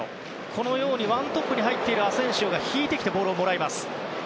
このように１トップに入っているアセンシオが引いてきてボールをもらいます。